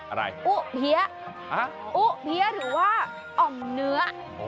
อะไรอุะเผี้ยหรือว่าอ่อมเนื้อ